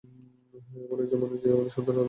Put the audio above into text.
এমন একজন মানুষ যে আমাদের সন্তানের আদর্শ হবে।